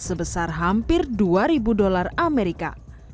sebesar hampir dua ribu dolar amerika